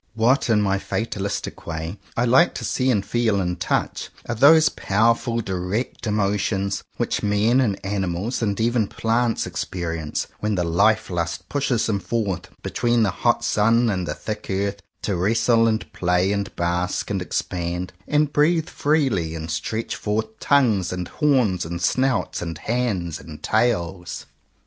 What, in my fatalistic way, I like to see and feel and touch, are those power ful direct emotions, which men and animals, and even plants, experience, when the life lust pushes them forward between the hot sun and the thick earth, to wrestle, and play, and bask, and expand, and breathe freely, and stretch forth tongues and horns, and snouts, and hands, and tails.